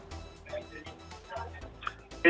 injibnya penanganan bencana ini